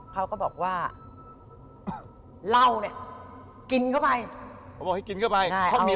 เขาก็บอกว่าเวลากินก็ไป